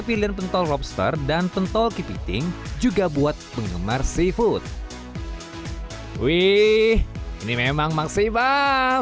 pilihan pentol lobster dan pentol kepiting juga buat penggemar seafood wih ini memang maksimal